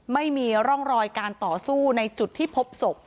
ไม่มีร่องรอยการต่อสู้ในจุดที่พบศพ